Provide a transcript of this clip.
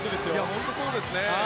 本当にそうですね。